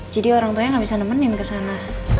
jadi orang tuanya nggak bisa nemenin ke sana